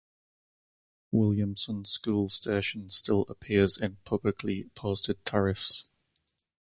Williamson School station still appears in publicly posted tariffs.